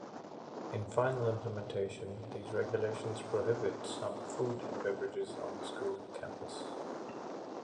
In final implementation these regulations prohibit some foods and beverages on the school campus.